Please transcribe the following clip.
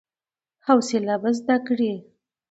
حوصله به زده کړې !